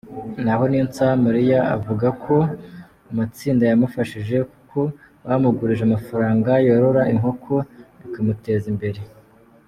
Naho Niyonsaba Mariya, avuga ko amatsinda yamufashije kuko bamugurije amafaranga yorora inkoko bikamuteza imbere.